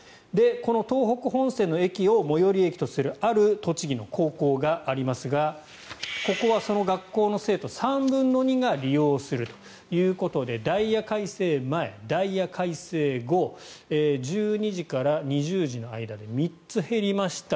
この東北本線の駅を最寄り駅とするある栃木の高校がありますがここはその学校の生徒３分の２が利用するということでダイヤ改正前、ダイヤ改正後１２時から２０時の間で３つ減りました。